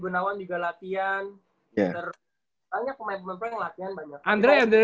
ternyata pemain pemain pemain latihan banyak